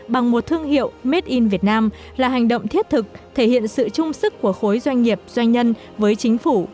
bằng một thương hiệu made in vietnam là hành động thiết thực thể hiện sự chung sức của khối doanh nghiệp doanh nhân với chính phủ